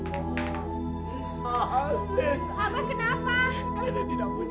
ada biskit ada bangun